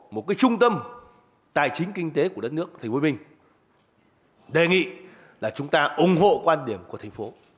một cái trung tâm tài chính kinh tế của đất nước thành phố bình đề nghị là chúng ta ủng hộ quan điểm của thành phố